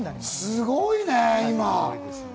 すごいね！